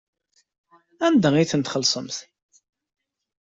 Anda ay tent-txellṣemt?